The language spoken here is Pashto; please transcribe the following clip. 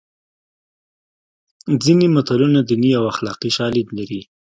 ځینې متلونه دیني او اخلاقي شالید لري